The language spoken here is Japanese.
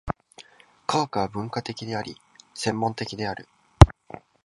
科学は分科的であり、専門的である。